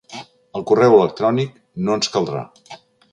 El correu electrònic no ens caldrà.